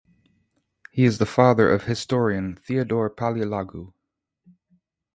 He is the father of historian Theodor Paleologu.